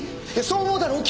そう思うだろう？